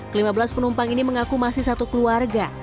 kelima belas penumpang ini mengaku masih satu keluarga